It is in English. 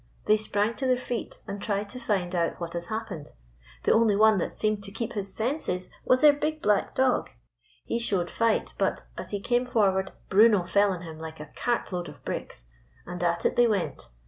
They sprang to their feet, and tried to find out what had happened. The only one that seemed to keep his senses was their big black dog. He showed fight, but, as he came forward, Bruno fell on him like a cartload of bricks, and at it they went.